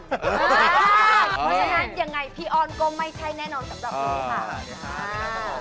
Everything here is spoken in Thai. เพราะฉะนั้นยังไงพี่อ้อนก็ไม่ใช่แน่นอนสำหรับคนนี้ค่ะ